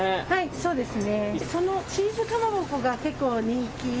そうですね。